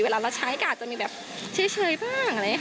เวลาเราใช้ก็อาจจะมีแบบเชื่อบ้าง